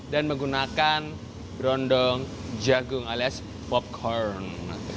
dan menggunakan perondong jagung alias popcorn